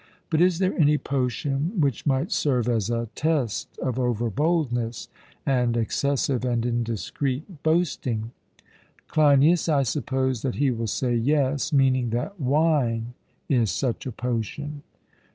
But is there any potion which might serve as a test of overboldness and excessive and indiscreet boasting? CLEINIAS: I suppose that he will say, Yes, meaning that wine is such a potion.